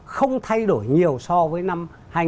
không thay đổi nhiều so với năm hai nghìn một mươi bảy